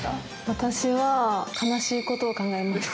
私は、悲しいことを考えます。